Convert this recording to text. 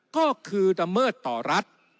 ก็คือละเมิดต่อรัฐ